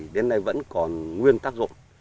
đến nay vẫn còn nguyên tác dụng